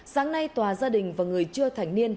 sáng nay tòa gia đình và người chưa thành niên